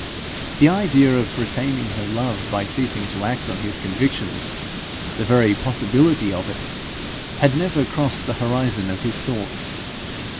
The idea of retaining her love by ceasing to act on his convictions the very possibility of it had never crossed the horizon of his thoughts.